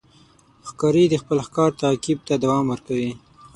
ښکاري د خپل ښکار تعقیب ته دوام ورکوي.